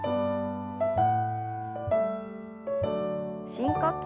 深呼吸。